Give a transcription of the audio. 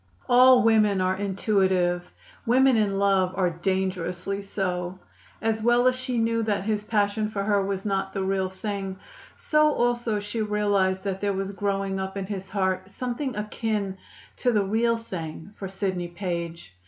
All women are intuitive; women in love are dangerously so. As well as she knew that his passion for her was not the real thing, so also she realized that there was growing up in his heart something akin to the real thing for Sidney Page.